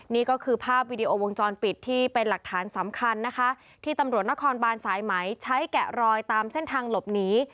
นี่ก็คือภาพวิดีโอวงจรปิดที่เป็นหลักฐานสำคัญนะคะที่ตำรวจนครบานสายไหมใช้แกะรอยตามเส้นทางหลบหนี